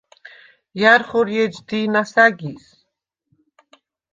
ჲა̈რ ხორი ეჯ დი̄ნას ა̈გის?